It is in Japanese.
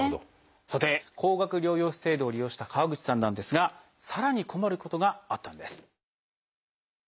さて高額療養費制度を利用した川口さんなんですがさらに困ることがあったんです。